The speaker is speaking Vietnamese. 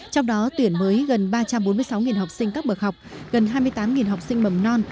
trong đó tuyển mới gần ba trăm bốn mươi sáu học sinh các bậc học gần hai mươi tám học sinh mầm non